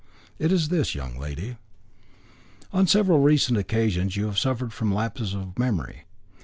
"It is this, young lady. On several recent occasions you have suffered from lapses of memory.